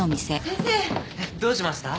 どうしました？